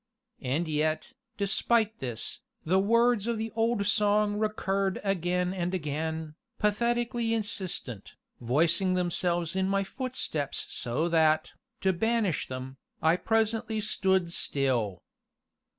And yet, despite this, the words of the old song recurred again and again, pathetically insistent, voicing themselves in my footsteps so that, to banish them, I presently stood still.